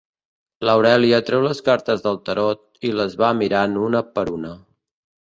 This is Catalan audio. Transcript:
L'Aurèlia treu les cartes del tarot i les va mirant una per una.